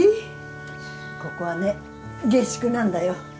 ここはね下宿なんだよ。